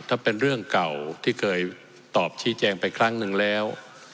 ถ้าเป็นเรื่องเก่าที่เคยตอบชี้แจงไปครั้งหนึ่งแล้ว